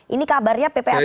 ini kabarnya ppatk